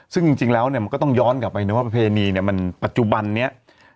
ซึ่งจริงแล้วเนี่ยมันก็ต้องย้อนกลับไปนะว่าประเพณีเนี่ยมันปัจจุบันนี้